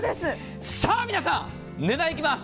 さあ、皆さん、値段いきます。